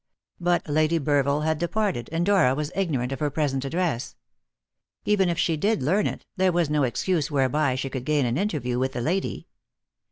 But Lady Burville had departed, and Dora was ignorant of her present address. Even if she did learn it, there was no excuse whereby she could gain an interview with the lady.